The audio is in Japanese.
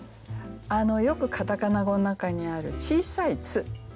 よくカタカナ語の中にある小さい「ッ」ですね。